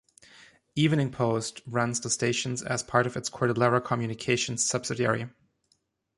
Evening Post runs the stations as part of its Cordillera Communications subsidiary.